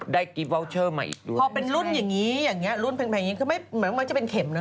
ได้กิ๊บวาวเชอร์ใหม่อีกด้วยพอเป็นรุ่นอย่างนี้รุ่นแผ่นคือไม่จะเป็นเข็มนะ